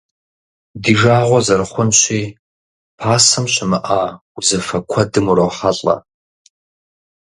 Ди жагъуэ зэрыхъунщи, пасэм щымыӀа узыфэ куэдым урохьэлӀэ.